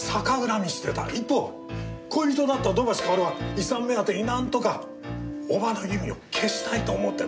一方恋人だった土橋かおるは遺産目当てになんとかおばの由美を消したいと思ってた。